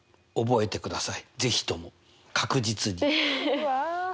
うわ。